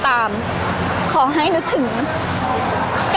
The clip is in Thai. พี่ตอบได้แค่นี้จริงค่ะ